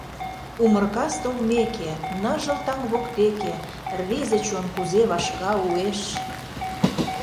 Умыр кас толмеке, Ныжыл таҥ воктеке Рвезе чон кузе вашка уэш.